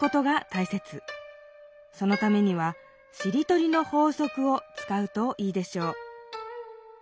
そのためには「しりとりの法則」をつかうといいでしょう。